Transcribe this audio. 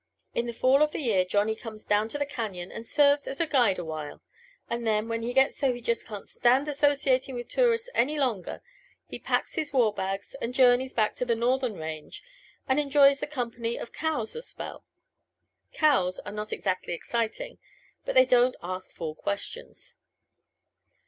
In the fall of the year Johnny comes down to the Cañon and serves as a guide a while; and then, when he gets so he just can't stand associating with tourists any longer, he packs his war bags and journeys back to the Northern Range and enjoys the company of cows a spell. Cows are not exactly exciting, but they don't ask fool questions.